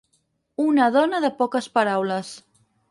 Una dona de poques paraules.